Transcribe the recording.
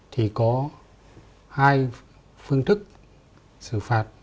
thì có hai phương thức xử phạt